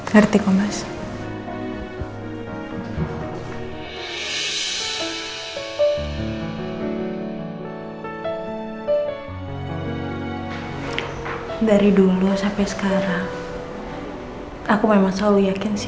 ngerti kok mas